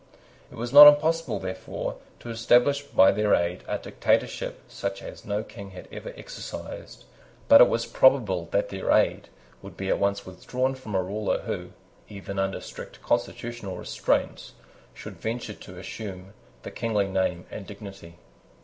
It was not impossible, therefore, to establish by their aid a dictatorship such as no King had ever exercised: but it was probable that their aid would be at once withdrawn from a ruler who, even under strict constitutional restraints, should venture to assume the kingly name and dignity.